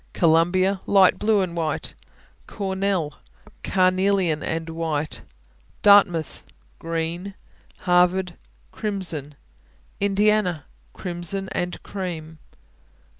Columbia Light blue and white. Cornell Carnelian and white. Dartmouth Green. Harvard Crimson. Indiana Crimson and cream.